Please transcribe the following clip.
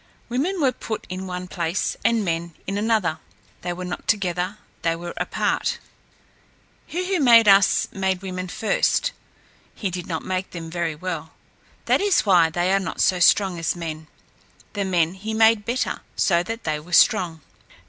Women were put in one place and men in another. They were not together; they were apart. He who made us made women first. He did not make them very well. That is why they are not so strong as men. The men he made better; so that they were strong.